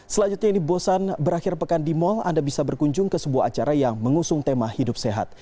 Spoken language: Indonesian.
selanjutnya ini bosan berakhir pekan di mal anda bisa berkunjung ke sebuah acara yang mengusung tema hidup sehat